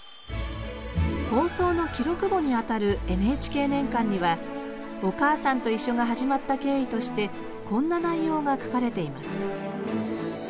放送の記録簿にあたる「ＮＨＫ年鑑」には「おかあさんといっしょ」が始まった経緯としてこんな内容が書かれています。